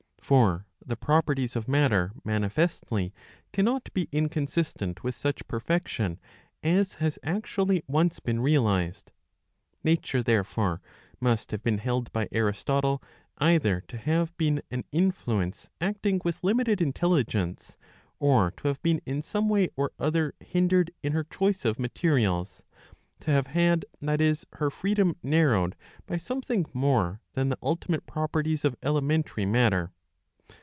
For the properties of matter manifestly cannot be inconsistent with such perfection as has actually once been realised. Nature, therefore, must have been held by Aristotle either to have been an influence acting with limited intelligence, or to have been in some way or other hindered in her I q hoice of materials ; to have had, that is, her freedom narrowed by I something more than the ultimate properties of elementary matter.